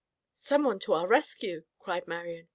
"Someone to our rescue," cried Marian.